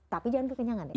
tapi jangan kekenyangan ya